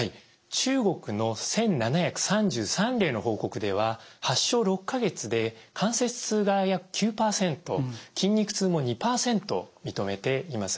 中国の１，７３３例の報告では発症６か月で関節痛が約９％筋肉痛も２％認めています。